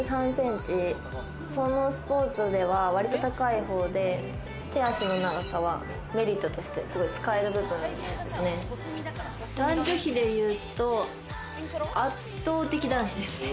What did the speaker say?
そのスポーツでは割と高い方で手足の長さはメリットとして、すごい使えると思いますね。